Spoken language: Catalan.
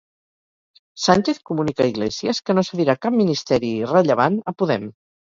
Sánchez comunica a Iglesias que no cedirà cap ministeri irrellevant a Podem.